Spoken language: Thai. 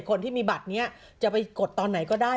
คนที่มีบัตรนี้จะไปกดตอนไหนก็ได้